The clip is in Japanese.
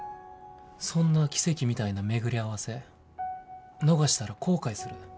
そんな奇跡みたいな巡り合わせ逃したら後悔する。